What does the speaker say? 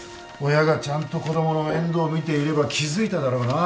親がちゃんと子供の面倒を見ていれば気付いただろうな。